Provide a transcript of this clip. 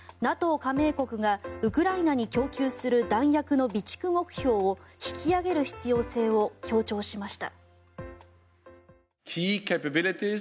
加盟国がウクライナに供給する弾薬の備蓄目標を引き上げる必要性を強調しました。